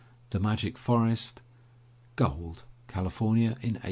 The Magic Forest. Gold {California in 1849.)